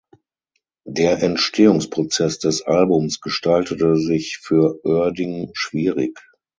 Der Entstehungsprozess des Albums gestaltete sich für Oerding schwierig.